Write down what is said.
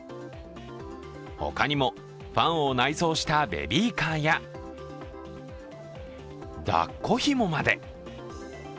他にもファンを内蔵したベビーカーや、抱っこひもまで。